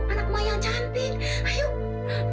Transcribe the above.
anak mak yang cantik